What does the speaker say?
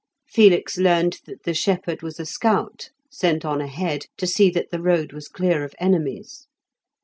Felix learned that the shepherd was a scout sent on ahead to see that the road was clear of enemies.